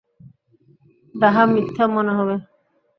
ডাহা মিথ্যা মনে হবে।